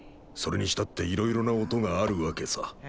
それにしたっていろいろな音があるわけさ。